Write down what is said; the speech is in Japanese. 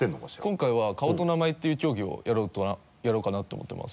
今回は「顔と名前」っていう競技をやろうかなって思ってます。